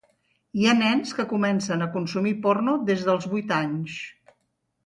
Hi ha nens que comencen a consumir porno des dels vuit anys.